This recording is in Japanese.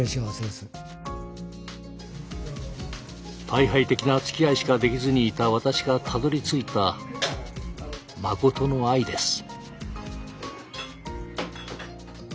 退廃的なつきあいしかできずにいた私がたどりついた誠の愛です。